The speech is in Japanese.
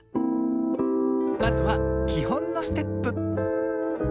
まずはきほんのステップ。